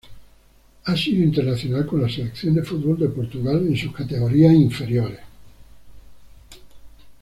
Ha sido internacional con la Selección de fútbol de Portugal en sus categorías inferiores.